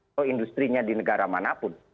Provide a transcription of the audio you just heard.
atau industrinya di negara manapun